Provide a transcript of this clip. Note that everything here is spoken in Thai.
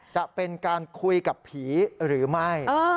จะเป็นการคุยกับผีหรือไม่